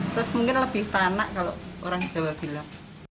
terus mungkin lebih panah kalau orang jawa bilang